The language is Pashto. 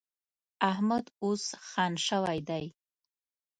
احمد اوس خان شوی دی.